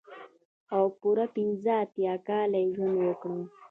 او پوره پنځه اتيا کاله يې ژوند وکړ.